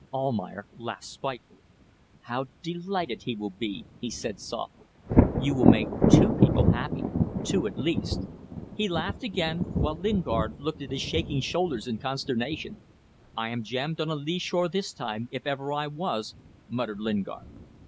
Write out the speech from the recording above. Almayer laughed spitefully. "How delighted he will be," he said, softly. "You will make two people happy. Two at least!" He laughed again, while Lingard looked at his shaking shoulders in consternation. "I am jammed on a lee shore this time, if ever I was," muttered Lingard.